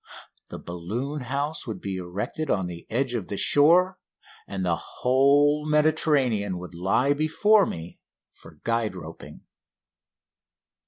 The balloon house would be erected on the edge of the shore, and the whole Mediterranean would lie before me for guide roping.